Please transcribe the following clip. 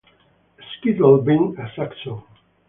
Scyttle being a Saxon.